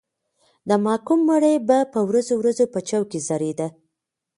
د محکوم مړی به په ورځو ورځو په چوک کې ځړېده.